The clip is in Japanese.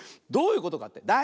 どういうことかって？